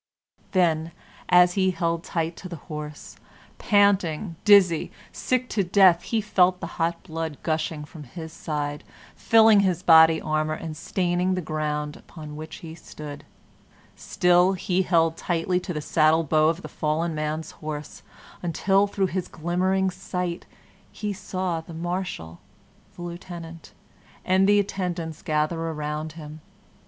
Then, as he held tight to the horse, panting, dizzy, sick to death, he felt the hot blood gushing from his side, filling his body armor, and staining the ground upon which he stood. Still he held tightly to the saddle bow of the fallen man's horse until, through his glimmering sight, he saw the Marshal, the Lieutenant, and the attendants gather around him.